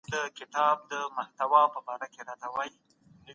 بریا د ښه عادتونو ټولګه ده.